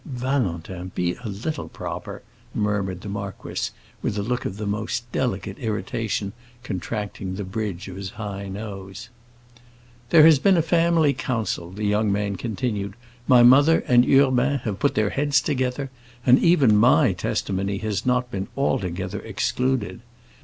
"Valentin, be a little proper!" murmured the marquis, with a look of the most delicate irritation contracting the bridge of his high nose. "There has been a family council," the young man continued; "my mother and Urbain have put their heads together, and even my testimony has not been altogether excluded.